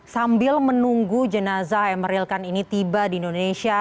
sambil menunggu jenazah emeril kan ini tiba di indonesia